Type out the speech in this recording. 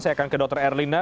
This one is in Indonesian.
saya akan ke dr erlina